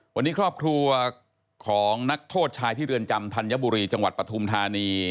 วันนี้ครอบครัวของนักโทษชายที่เรือนจำธัญบุรีจังหวัดปฐุมธานี